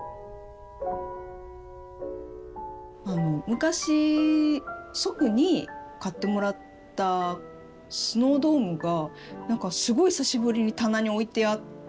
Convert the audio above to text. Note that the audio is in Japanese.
昔祖父に買ってもらったスノードームが何かすごい久しぶりに棚に置いてあって。